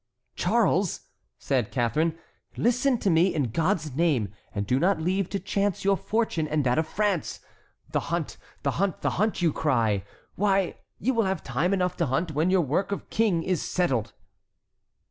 "Charles!" said Catharine, "listen to me, in God's name, and do not leave to chance your fortune and that of France! The hunt, the hunt, the hunt, you cry; why, you will have time enough to hunt when your work of king is settled."